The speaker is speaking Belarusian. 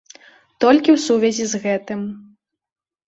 Толькі ў сувязі з гэтым.